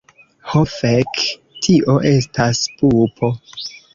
Ho fek, tio estas pupo.